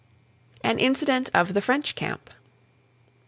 AN INCIDENT OF THE FRENCH CAMP.